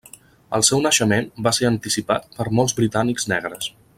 El seu naixement va ser anticipat per molts britànics negres.